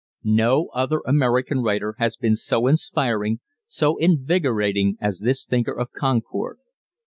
No other American writer has been so inspiring, so invigorating as this thinker of Concord.